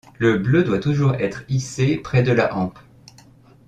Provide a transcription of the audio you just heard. Le bleu doit toujours être hissé près de la hampe.